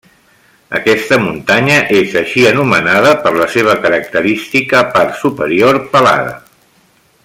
Aquesta muntanya és així anomenada per la seva característica part superior pelada.